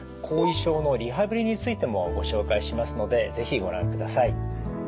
後遺症のリハビリについてもご紹介しますので是非ご覧ください。